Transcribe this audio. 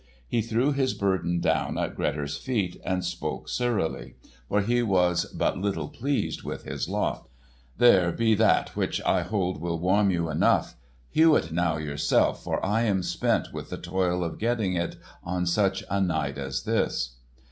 He threw his burden down at Grettir's feet and spoke surlily, for he was but little pleased with his lot: "There be that which I hold will warm you enough. Hew it now yourself, for I am spent with the toil of getting it in on such a night as this."